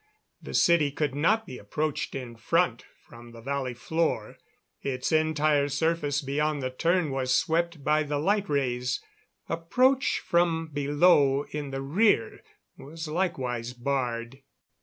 The city could not be approached in front from the valley floor; its entire surface beyond the turn was swept by the light rays. Approach from below in the rear was likewise barred.